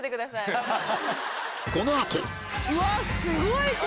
すごい！